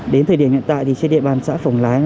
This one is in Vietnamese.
đến thời điểm hiện tại thì trên địa bàn xã phổng lái